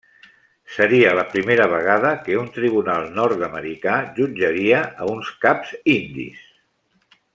Seria la primera vegada que un tribunal nord-americà jutjaria a uns caps indis.